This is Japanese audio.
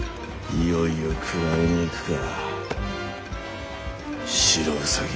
いよいよ食らいに行くか白兎を。